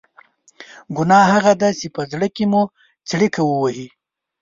ګناه هغه ده چې په زړه کې مو څړیکه ووهي.